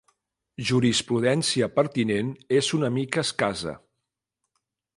Jurisprudència pertinent és una mica escassa.